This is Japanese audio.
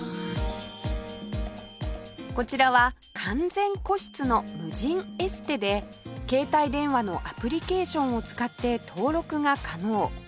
こちらは完全個室の無人エステで携帯電話のアプリケーションを使って登録が可能